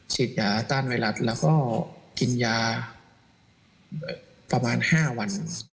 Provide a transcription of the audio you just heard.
ฉีดยาต้านไวรัสแล้วก็กินยาประมาณ๕วัน